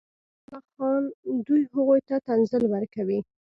دوی هغوی ته تنزل ورکوي.